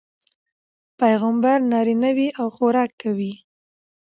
پيغمبر نارينه وي او خوراک کوي